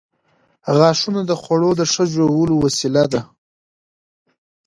• غاښونه د خوړو د ښه ژولو وسیله ده.